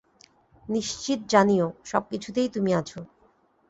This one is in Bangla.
নিশ্চিত জানিও, সবকিছুতেই তুমি আছ।